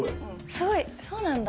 すごいそうなんだ。